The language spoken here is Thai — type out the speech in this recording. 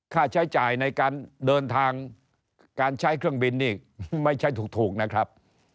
ค่าใช้จ่ายในการเดินทางการใช้เครื่องบินนี่ไม่ใช่ถูกนะครับ